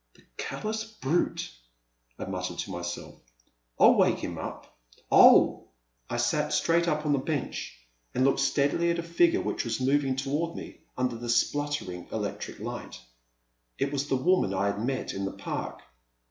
The callous brute !I muttered to myself, '* ini wake him up— I '11 '' I sat straight up on the bench and looked stead A Pleasant Evening. 339 ily at a figure which was moving toward me under the spluttering electric light. It was the woman I had met in the Park.